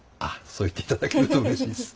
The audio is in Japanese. そう言っていただけるとうれしいです。